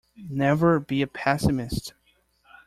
Never be a pessimist.